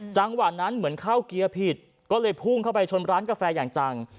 จังหวะนั้นเหมือนเข้าเกียร์ผิดก็เลยพุ่งเข้าไปชนร้านกาแฟอย่างจัง